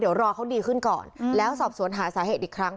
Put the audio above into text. เดี๋ยวรอเขาดีขึ้นก่อนแล้วสอบสวนหาสาเหตุอีกครั้ง